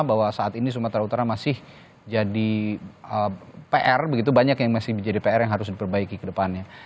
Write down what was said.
bahwa saat ini sumatera utara masih jadi pr begitu banyak yang masih menjadi pr yang harus diperbaiki ke depannya